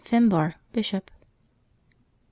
FINBARR, Bishop. [t.